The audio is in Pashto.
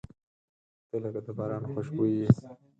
• ته لکه د باران خوشبويي یې.